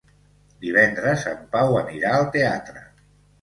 Divendres en Pau anirà al teatre.